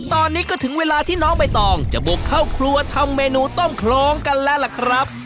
ตอนนี้ก็ถึงเวลาที่น้องใบตองจะบุกเข้าครัวทำเมนูต้มคล้องกันแล้วล่ะครับ